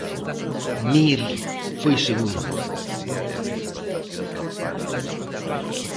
Mir foi segundo.